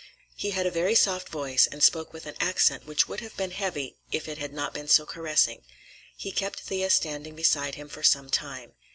He had a very soft voice and spoke with an accent which would have been heavy if it had not been so caressing. He kept Thea standing beside him for some time.